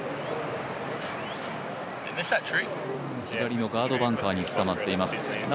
左のガードバンカーにつかまっています。